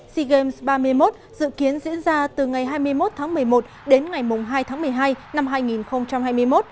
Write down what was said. sea games ba mươi một dự kiến diễn ra từ ngày hai mươi một tháng một mươi một đến ngày hai tháng một mươi hai năm hai nghìn hai mươi một